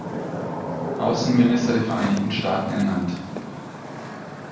Außenminister der Vereinigten Staaten ernannt.